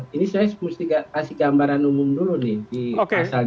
ini saya mesti kasih gambaran umum dulu nih di pasal dua puluh